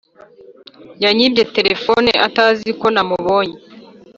yanyibye telephone atazi ko namubonye